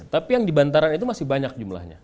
tapi yang di bantaran itu masih banyak jumlahnya